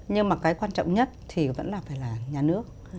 nhưng mà cái quan trọng nhất thì vẫn là phải là nhà nước